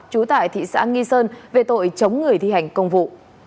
chú tải thị xã nghi sơn về tội chống người thi hành công vụ